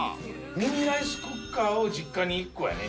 ミニライスクッカーを実家に１個やね。